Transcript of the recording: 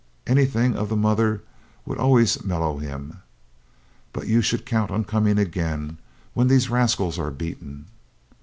Anything of the mother would always mellow him. "But you should count on coming again when these rascals are beaten."